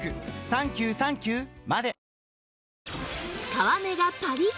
皮目がパリッ！